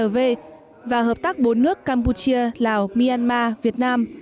v và hợp tác bốn nước campuchia lào myanmar việt nam